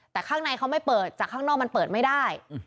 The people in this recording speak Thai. แต่ข้างในเขาไม่เปิดจากข้างนอกมันเปิดไม่ได้